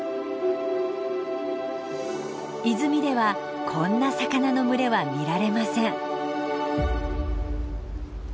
泉ではこんな魚の群れは見られません。